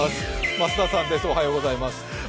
増田さんです。